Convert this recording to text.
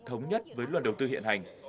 thống nhất với luận đầu tư hiện hành